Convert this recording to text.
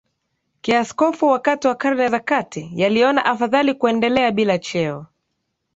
kiaskofu wakati wa karne za kati yaliona afadhali kuendelea bila cheo